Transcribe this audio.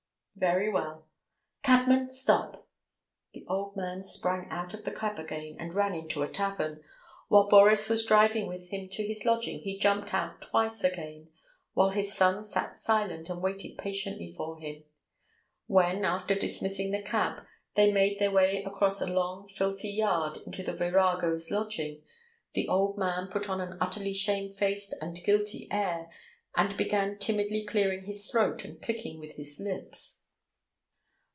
"Very well." "Cabman, stop!" The old man sprang out of the cab again and ran into a tavern. While Boris was driving with him to his lodging he jumped out twice again, while his son sat silent and waited patiently for him. When, after dismissing the cab, they made their way across a long, filthy yard to the "virago's" lodging, the old man put on an utterly shamefaced and guilty air, and began timidly clearing his throat and clicking with his lips.